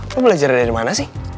aku belajar dari mana sih